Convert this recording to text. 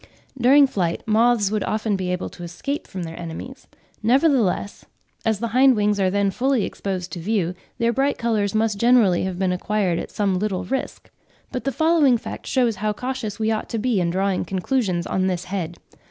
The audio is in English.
During flight, moths would often be able to escape from their enemies; nevertheless, as the hind wings are then fully exposed to view, their bright colours must generally have been acquired at some little risk. But the following fact shews how cautious we ought to be in drawing conclusions on this head.